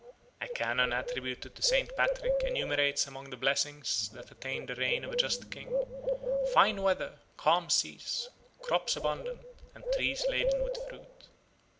A canon attributed to St. Patrick enumerates among the blessings that attend the reign of a just king "fine weather, calm seas, crops abundant, and trees laden with fruit."